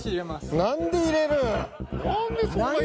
何で入れるん？